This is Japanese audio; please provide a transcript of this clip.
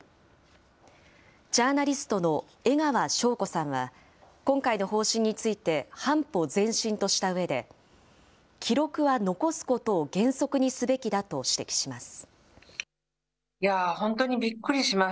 ジャーナリストの江川紹子さんは、今回の方針について半歩前進としたうえで、記録は残すことを原則にすべきだと指摘します。